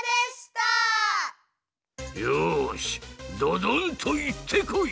よしドドンといってこい！